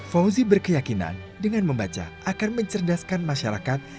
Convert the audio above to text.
fauzi berkeyakinan dengan membaca akan mencerdaskan masyarakat